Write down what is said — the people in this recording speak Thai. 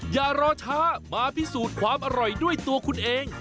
อย่ารอช้ามาพิสูจน์ความอร่อยด้วยตัวคุณเอง